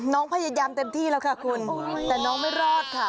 น้องพยายามเต็มที่แล้วค่ะคุณแต่น้องไม่รอดค่ะ